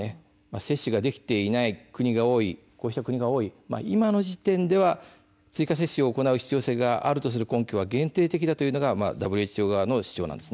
接種ができていない国が多い今の時点では追加接種を行う必要性があるとする根拠は限定的だというのがＷＨＯ側の主張です。